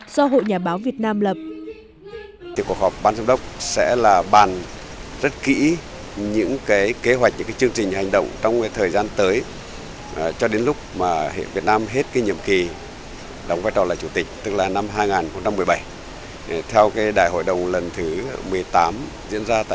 do hội nhà báo việt nam lập